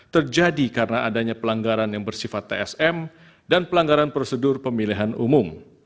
terjadi karena adanya pelanggaran yang bersifat tsm dan pelanggaran prosedur pemilihan umum